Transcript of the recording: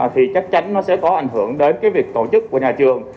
thì chắc chắn nó sẽ có ảnh hưởng đến cái việc tổ chức của nhà trường